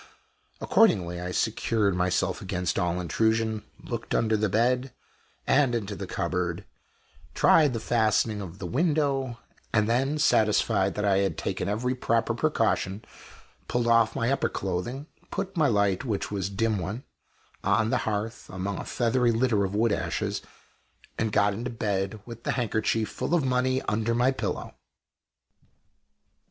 Accordingly, I secured myself against all intrusion; looked under the bed, and into the cupboard; tried the fastening of the window; and then, satisfied that I had taken every proper precaution, pulled off my upper clothing, put my light, which was a dim one, on the hearth among a feathery litter of wood ashes, and got into bed, with the handkerchief full of money under my pillow.